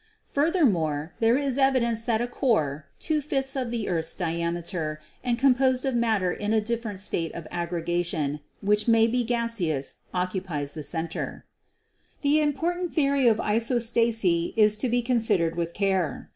Furthermore, there is evidence that a core, two fifths of the earth's diameter and composed of matter in a different state of aggregation, which may be gaseous, occupies the center." The important theory of isostasy is to be considered with care.